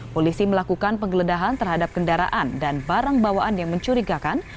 polisi melakukan penggeledahan terhadap kendaraan dan barang bawaan yang mencurigakan